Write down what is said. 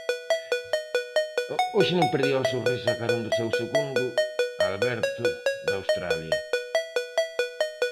Hoxe non perdía o sorriso a carón do seu segundo Aberto de Australia.